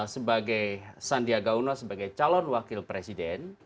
sebagai sandiaga uno sebagai calon wakil presiden